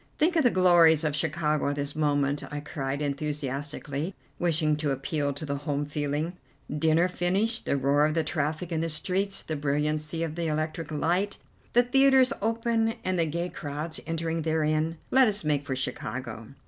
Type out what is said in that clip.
"Think of the glories of Chicago at this moment!" I cried enthusiastically, wishing to appeal to the home feeling. "Dinner finished; the roar of the traffic in the streets; the brilliancy of the electric light; the theatres open, and the gay crowds entering therein. Let us make for Chicago."